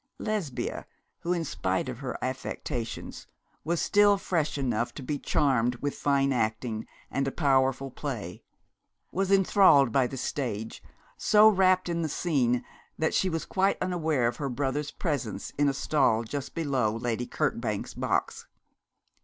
Lesbia, who, in spite of her affectations, was still fresh enough to be charmed with fine acting and a powerful play, was enthralled by the stage, so wrapt in the scene that she was quite unaware of her brother's presence in a stall just below Lady Kirkbank's box.